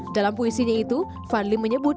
dalam puisinya itu fadli menyebut